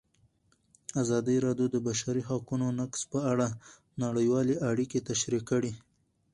ازادي راډیو د د بشري حقونو نقض په اړه نړیوالې اړیکې تشریح کړي.